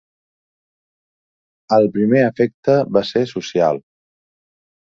El primer efecte va ser social.